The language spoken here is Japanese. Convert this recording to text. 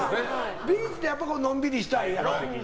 ビーチってのんびりしたいやろ。